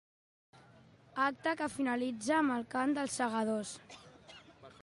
Acte que finalitza amb el Cant dels Segadors.